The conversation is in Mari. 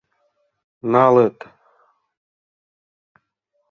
— Налыт.